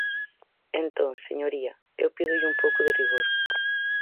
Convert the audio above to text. Entón, señoría, eu pídolle un pouco de rigor.